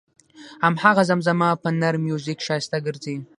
هماغه زمزمه په نر میوزیک ښایسته ګرځي.